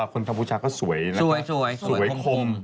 คนคัมพูชาก็สวยนะคะสวยสวยคม